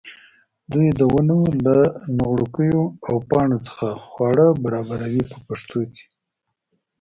دوی د ونو له نغوړګیو او پاڼو څخه خواړه برابروي په پښتو کې.